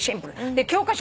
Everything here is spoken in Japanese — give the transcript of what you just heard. で教科書